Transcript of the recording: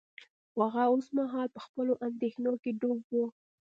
خو هغه اوس مهال په خپلو اندیښنو کې ډوب و